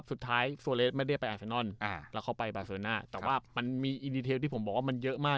สุดท้ายไม่ได้ไปอ่าแล้วเข้าไปอ่าแต่ว่ามันมีที่ผมบอกว่ามันเยอะมาก